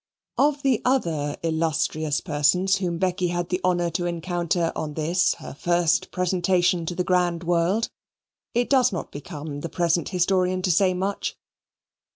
Of the other illustrious persons whom Becky had the honour to encounter on this her first presentation to the grand world, it does not become the present historian to say much.